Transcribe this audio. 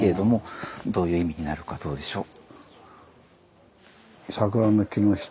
どういう意味になるかどうでしょう？